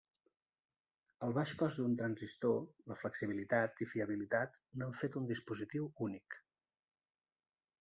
El baix cost d'un transistor, la flexibilitat i fiabilitat n'han fet un dispositiu únic.